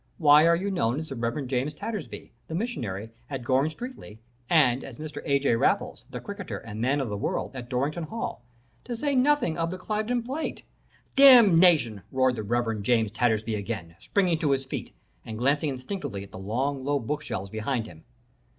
Why are you known as the Reverend James Tattersby, the missionary, at Goring Streatley, and as Mr. A. J. Raffles, the cricketer and man of the world, at Dorrington Hall, to say nothing of the Cliveden plate ' "'Damnation!' roared the Reverend James Tattersby again, springing to his feet and glancing instinctively at the long low book shelves behind him.